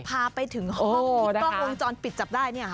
พาไปถึงห้องที่กล้องวงจรปิดจับได้เนี่ยค่ะ